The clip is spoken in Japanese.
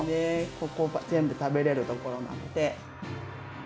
ここ、全部食べられるところなんで。